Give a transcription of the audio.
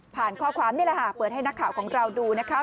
ข้อความนี่แหละค่ะเปิดให้นักข่าวของเราดูนะคะ